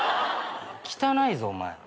汚いぞお前。